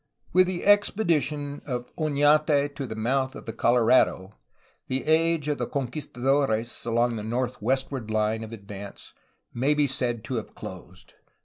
With the expedition of Oiiate to the mouth of the Colorado the age of the conquistadores along the northwestward hne of advance may be said to have closed.